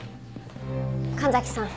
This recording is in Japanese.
神崎さん